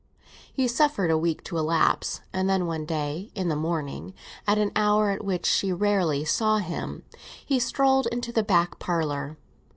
He suffered a week to elapse, and then one day, in the morning, at an hour at which she rarely saw him, he strolled into the back parlour.